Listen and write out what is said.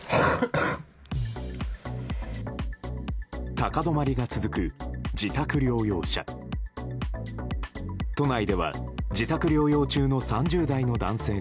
高止まりが続く自宅療養者。